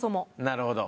なるほど。